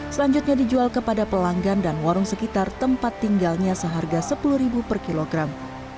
selanjutnya dijual kepada pelanggan dan warung sekitar tempat tinggalnya seharga sepuluh per kilogram